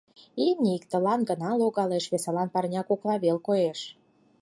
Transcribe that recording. Имне иктылан гына логалеш, весылан парня кокла вел коеш.